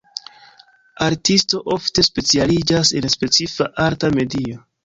Artisto ofte specialiĝas en specifa arta medio.